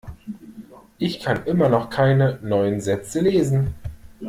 Ich kann immer noch keine neuen Sätze lesen.